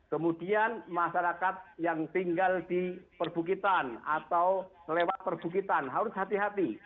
kemudian masyarakat yang tinggal di perbukitan atau lewat perbukitan harus hati hati